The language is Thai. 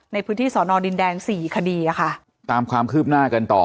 ในพื้นที่สอนอดินแดงสี่คดีอะค่ะตามความคืบหน้ากันต่อ